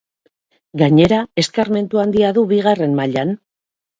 Gainera, eskarmentu handia du bigarren mailan.